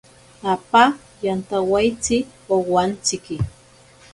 Apa yantawaitsi owantsiki.